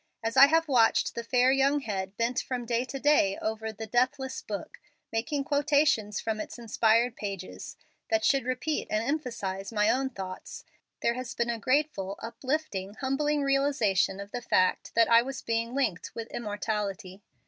As I have watched the fair young head bent from day to day over " The Deathless Book," making quotations from its in¬ spired pages that should repeat and emphasize my own thoughts, there has been a grateful, uplifting, humbling realization of the fact that I was being linked with immortality!